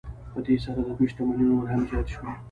په دې سره د دوی شتمنۍ نورې هم زیاتې شوې